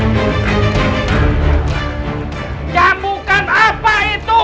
mereka tak bisa ngel kazuto